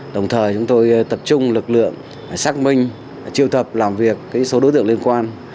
đồng thời chúng tôi tập trung lực lượng xác minh triệu thập làm việc số đối tượng liên quan